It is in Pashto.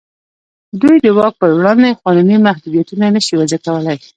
دوی د واک په وړاندې قانوني محدودیتونه نه شي وضع کولای.